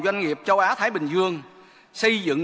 doanh nghiệp châu á thái bình dương xây dựng